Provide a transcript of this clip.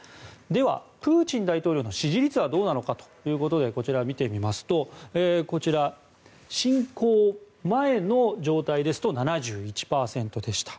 では、プーチン大統領の支持率はどうなのかということでこちら、見てみますと侵攻前の状態ですと７１％でした。